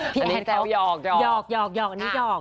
อันนี้แซวยอก